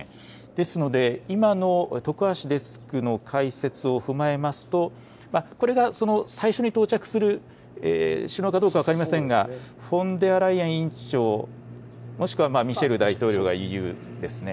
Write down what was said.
ですので、今の徳橋デスクの解説を踏まえますと、これが最初に到着する首脳かどうか分かりませんが、フォンデアライエン委員長、もしくはミシェル大統領がＥＵですね。